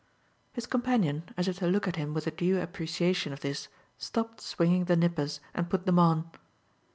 His companion, as if to look at him with a due appreciation of this, stopped swinging the nippers and put them on.